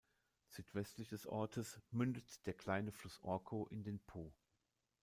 Südwestlich des Ortes mündet der kleine Fluss Orco in den Po.